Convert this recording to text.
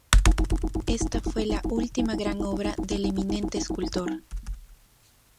Esta fue la última gran obra del eminente escultor.